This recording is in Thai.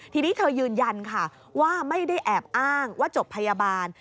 ทีนี้เธอยืนยันค่ะว่าไม่ได้แอบอ้างว่าจบพยาบาล